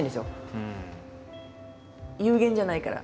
有限じゃないから。